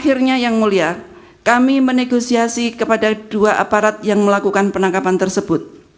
akhirnya yang mulia kami menegosiasi kepada dua aparat yang melakukan penangkapan tersebut